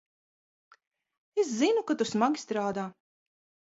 Es zinu, ka tu smagi strādā.